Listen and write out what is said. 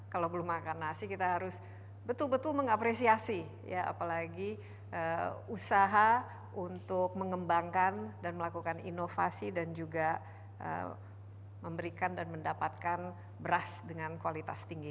kalau belum makan nasi kita harus betul betul mengapresiasi ya apalagi usaha untuk mengembangkan dan melakukan inovasi dan juga memberikan dan mendapatkan beras dengan kualitas tinggi